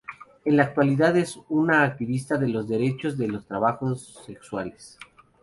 En la actualidad es una activista de los derechos de los trabajos sexuales.